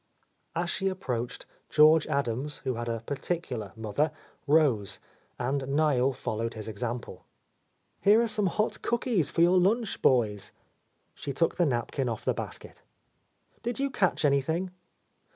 As she approached, George Adams, who had a particular mother, rose, and Niel followed his ex* ample. "Here are some hot cookies for your lunch, boys." She took the napkin off the basket. "Did you catch anything?"